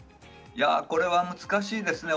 これは難しいですね。